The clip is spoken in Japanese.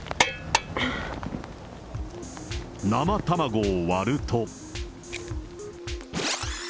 生卵を割ると。